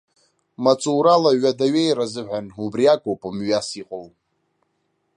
Маҵурала ҩада аҩеира азыҳәан, убриакоуп мҩас иҟоу.